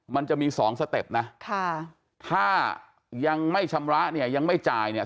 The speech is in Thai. มันจะมีสองสเต็ปนะค่ะถ้ายังไม่ชำระเนี่ยยังไม่จ่ายเนี่ย